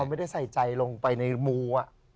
ไม่ได้ใส่ใจลงไปในมู